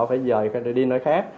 phòng trọ đã phải dọn đi nơi khác